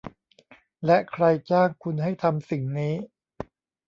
และใครจ้างคุณให้ทำสิ่งนี้